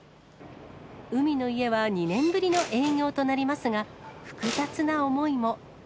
海の家は２年ぶりの営業となりますが、複雑な思いも。